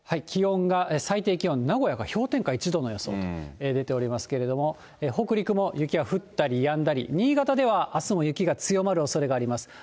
気温が最低気温、名古屋が氷点下１度の予想、出ておりますけれども、北陸も雪が降ったりやんだり、新潟ではあすも雪が強まるおそれがあります。